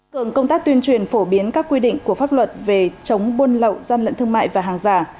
cường công tác tuyên truyền phổ biến các quy định của pháp luật về chống buôn lậu gian lận thương mại và hàng giả